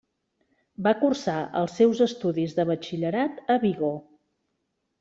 Va cursar els seus estudis de batxillerat a Vigo.